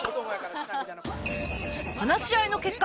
話し合いの結果